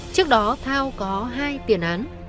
trước đó thao có hai tiền án